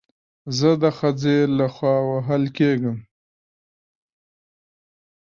زه د خځې له خوا وهل کېږم